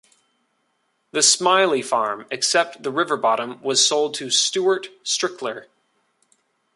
The Smilie farm, except the river bottom, was sold to Stewart Strickler.